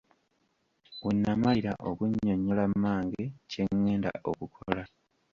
We namalira okunnyonnyola mmange kye ngenda okukola.